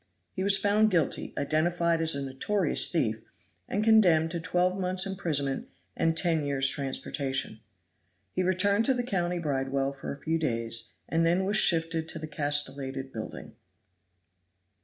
He was found guilty, identified as a notorious thief, and condemned to twelve months' imprisonment and ten years' transportation. He returned to the county bridewell for a few days, and then was shifted to the castellated building.